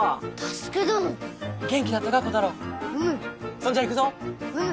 そんじゃいくぞ。